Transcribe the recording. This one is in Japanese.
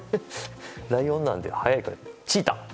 ライオンなので速いからチーター。